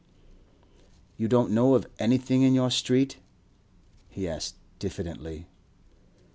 'You don't know of anything in your street?' he asked diffidently.